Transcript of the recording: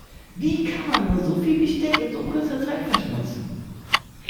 Wie kann man nur so viel Besteck in so kurzer Zeit verschmutzen?